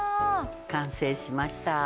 完成しました。